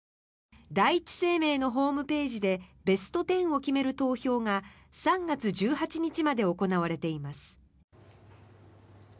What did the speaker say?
第一生命のホームページでベスト１０を決める投票が３月１８日まで行われています。